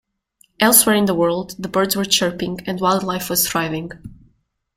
Elsewhere in the world, the birds were chirping and wildlife was thriving.